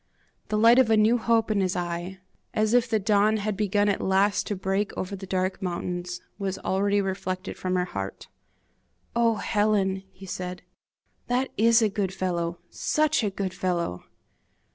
The light of a new hope in his eye, as if the dawn had begun at last to break over the dark mountains, was already reflected from her heart. "Oh! Helen," he said, "that IS a good fellow, SUCH a good fellow!"